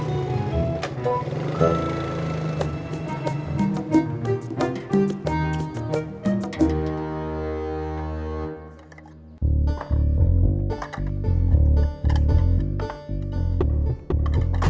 bapak ini bekelnya buat makan siang